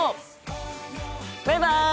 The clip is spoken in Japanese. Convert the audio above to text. バイバイ！